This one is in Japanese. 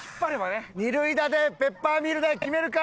二塁打でペッパーミルで決めるか？